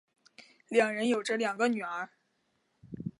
两人有着两个女儿。